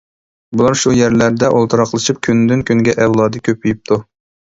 بۇلار شۇ يەرلەردە ئولتۇراقلىشىپ كۈندىن كۈنگە ئەۋلادى كۆپىيىپتۇ.